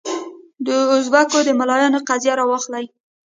د اوزبکو د ملایانو قضیه راواخلې.